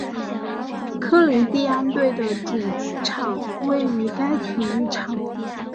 科林蒂安队的主场位于该体育场。